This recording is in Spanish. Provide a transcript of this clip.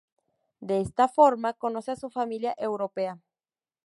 De esta forma conoce a su familia europea.